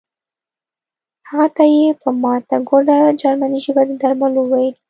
هغه ته یې په ماته ګوډه جرمني ژبه د درملو وویل